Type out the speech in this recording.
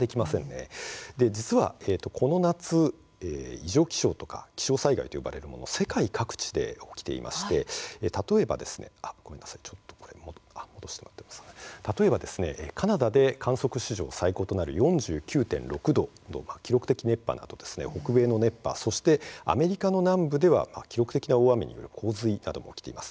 そして、この夏異常気象とか気象災害と呼ばれるものが世界各地で起きていまして例えばカナダで観測史上最高となる４９．６度の記録的熱波やアメリカ南部では記録的な大雨による洪水などが起きています。